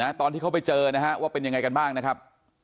ตอนที่เขาไปเจอนะฮะว่าเป็นยังไงกันบ้างนะครับ